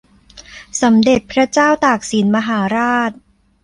สมเด็จพระเจ้าตากสินมหาราช